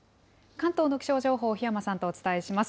関東の気象情報、檜山さんとお伝えします。